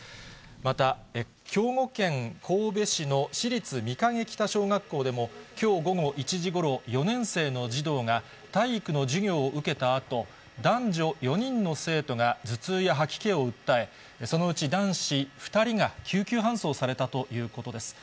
また、兵庫県神戸市の市立御影北小学校でも、きょう午後１時ごろ、４年生の児童が体育の授業を受けたあと、男女４人の生徒が頭痛や吐き気を訴え、そのうち男子２人が救急搬送されたということです。